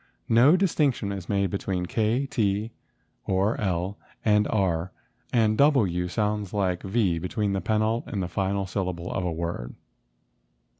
No distinction is made between k and t or l and r, and w sounds like v between the penult and final syllable of a word.